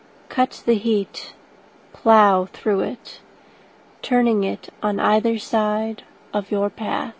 Cut the heat—Plough through it, Turning it on either sideOf your path.